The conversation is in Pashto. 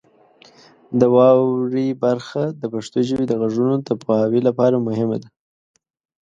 د واورئ برخه د پښتو ژبې د غږونو د پوهاوي لپاره مهمه ده.